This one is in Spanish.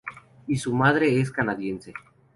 Y su madre es canadiense.